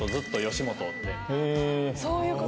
そういう事？